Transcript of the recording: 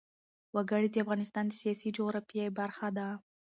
وګړي د افغانستان د سیاسي جغرافیه برخه ده.